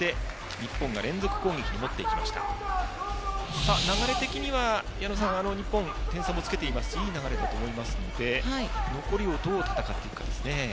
日本、点差もつけていますしいい流れだと思いますので残りをどう戦っていくかですね。